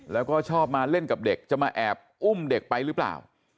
แล้วก็ชอบมาเล่นกับเด็กจะมาแอบอุ้มเด็กไปหรือเปล่า